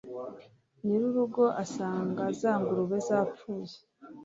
nyiri urugo asanga za ngurube zapfuye;